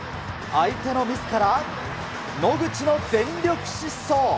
相手のミスから、野口の全力疾走。